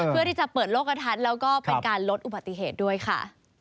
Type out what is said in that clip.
เพื่อที่จะเปิดโลกกระทัดแล้วก็เป็นการลดอุบัติเหตุด้วยค่ะ